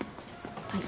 はい。